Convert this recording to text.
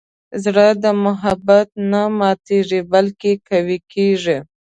زړه د محبت نه ماتیږي، بلکې قوي کېږي.